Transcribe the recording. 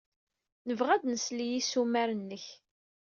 Nebɣa ad nsel i yissumar-nnek.